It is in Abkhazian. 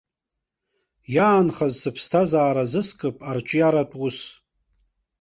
Иаанхаз сыԥсҭазара азыскып арҿиаратә ус.